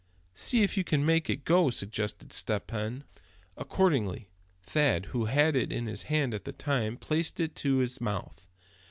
"See if you can make it go," suggested Step Hen. Accordingly Thad, who had it in his hands at the time, placed it to his mouth.